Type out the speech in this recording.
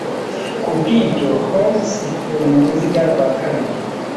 Kubwibyo hordes ituye muruziga rwa kabiri